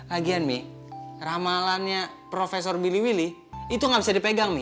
lagian mi ramalannya profesor biliwili itu ga bisa dipegang mi